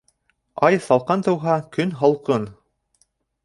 Ай салҡан тыуһа, көн һалҡын.